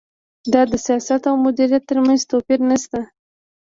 دا د سیاست او مدیریت ترمنځ توپیر نشته.